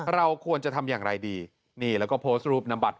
เราควรจะทำอย่างไรดีนี่แล้วก็โพสต์รูปนำบัตร